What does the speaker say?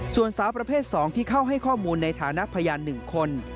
ส่วนสาวประเภท๒ที่เข้าให้ข้อมูลในฐานะพยาน๑คน